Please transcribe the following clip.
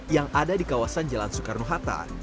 yang ada di kawasan jalan soekarno hatta